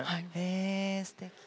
えすてき。